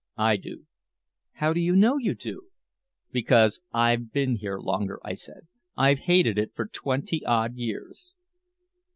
"I do." "How do you know you do?" "Because I've been here longer," I said. "I've hated it for twenty odd years."